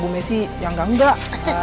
ibu messi yang gak enggak